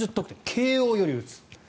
慶応より打つ。